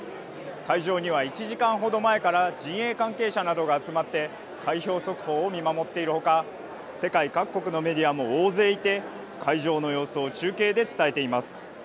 会場には１時間ほど前から陣営関係者などが集まって開票速報を見守っているほか世界各国のメディアも大勢いて会場の様子を中継で伝えています。